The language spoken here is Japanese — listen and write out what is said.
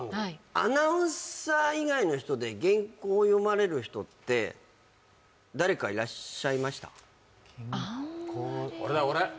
アナウンサー以外の人で原稿読まれる人って誰かいらっしゃいました？